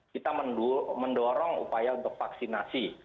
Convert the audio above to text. kita mendorong upaya untuk vaksinasi